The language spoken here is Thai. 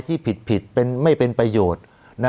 ที่ผิดไม่เป็นประโยชน์